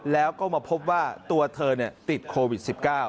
แล้วก็มาพบว่าตัวเธอติดโควิด๑๙